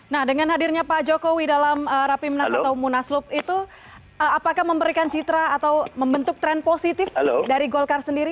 nah dengan hadirnya pak jokowi dalam rapimnas atau munaslup itu apakah memberikan citra atau membentuk tren positif dari golkar sendiri